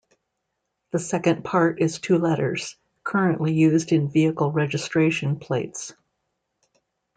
The second part is two letters, currently used in vehicle registration plates.